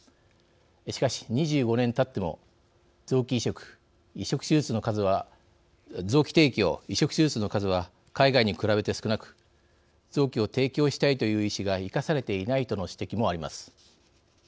しかし、２５年たっても臓器提供・移植手術の数は海外に比べて少なく臓器を提供したいという意思が生かされていないとの指摘もあります。